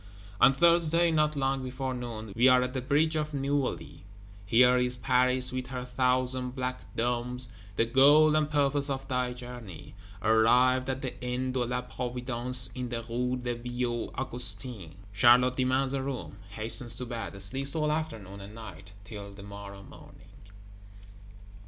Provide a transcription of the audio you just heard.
On Thursday, not long before noon, we are at the bridge of Neuilly; here is Paris with her thousand black domes, the goal and purpose of thy journey! Arrived at the Inn de la Providence in the Rue des Vieux Augustins, Charlotte demands a room; hastens to bed; sleeps all afternoon and night, till the morrow morning.